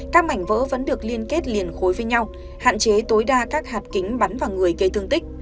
các mảnh vỡ vẫn được liên kết liền khối với nhau hạn chế tối đa các hạt kính bắn vào người gây thương tích